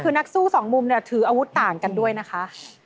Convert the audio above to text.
คือนักสู้สองมุมเนี่ยถืออาวุธต่างกันด้วยนะคะ